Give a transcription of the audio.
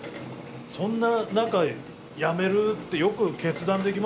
そんな中やめるってよく決断できましたね。